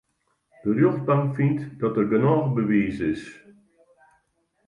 De rjochtbank fynt dat der genôch bewiis is.